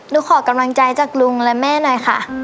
หนูขอกำลังใจจากลุงและแม่หน่อยค่ะ